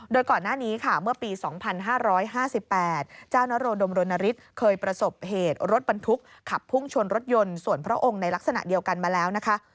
โดยก่อนหน้านี้ค่ะเมื่อปี๒๕๕๘เจ้านโรดมรณฤทธิ์เคยประสบเหตุรถบรรทุกขับพุ่งชนรถยนต์ส่วนพระองค์ในลักษณะเดียวกันมาแล้วนะคะ